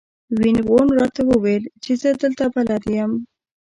وین وون راته وویل چې زه دلته بلد یم.